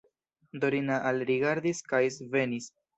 Dorina alrigardis kaj svenis.